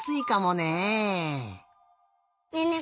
ねえねえ